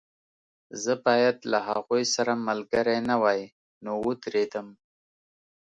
زه باید له هغوی سره ملګری نه وای نو ودرېدم